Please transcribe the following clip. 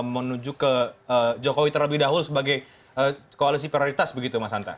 menuju ke jokowi terlebih dahulu sebagai koalisi prioritas begitu mas hanta